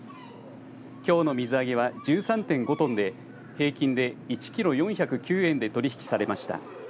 きょうの水揚げは１３．５トンで平均で１キロ４０９円で取引されました。